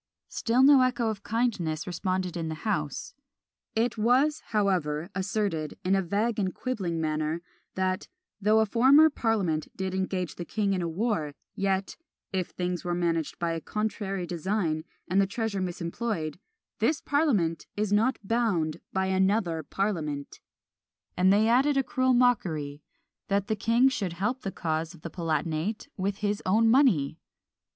Still no echo of kindness responded in the house. It was, however, asserted, in a vague and quibbling manner, that "though a former parliament did engage the king in a war, yet, (if things were managed by a contrary design, and the treasure misemployed) this parliament is not bound by another parliament:" and they added a cruel mockery, "that the king should help the cause of the Palatinate with his own money!"